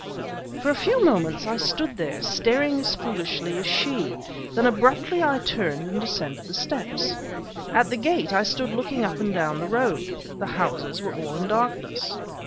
For a few moments I stood there, staring as foolishly as she; then abruptly I turned and descended the steps. At the gate I stood looking up and down the road. The houses were all in darkness.